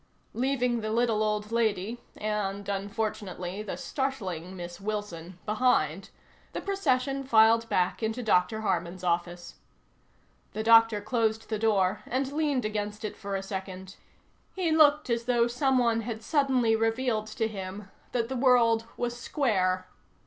Leaving the little old lady and, unfortunately, the startling Miss Wilson, behind, the procession filed back into Dr. Harman's office. The doctor closed the door, and leaned against it for a second. He looked as though someone had suddenly revealed to him that the world was square.